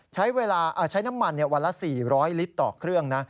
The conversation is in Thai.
ใช้น้ำมันวันละ๔๐๐ลิตรต่อเครื่องนะ